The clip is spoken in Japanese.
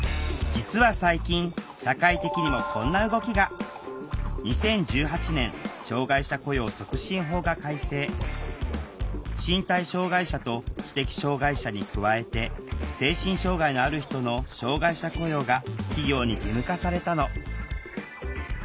実は最近社会的にもこんな動きが身体障害者と知的障害者に加えて精神障害のある人の障害者雇用が企業に義務化されたの。